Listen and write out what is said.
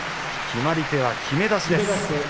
決まり手はきめ出しです。